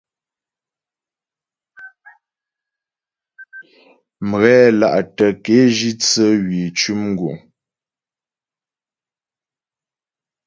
Mghɛla'tə ke jǐ tsə hwî cʉm guŋ.